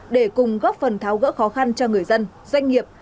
để cùng góp phần tháo gỡ khó khăn cho người dân doanh nghiệp